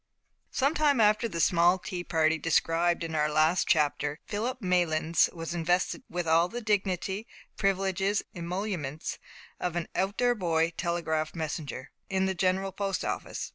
Some time after the small tea party described in our last chapter, Philip Maylands was invested with all the dignity, privileges, and emoluments of an "Out door Boy Telegraph Messenger" in the General Post Office.